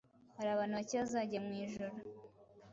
hari abantu bake bazajya mu ijuru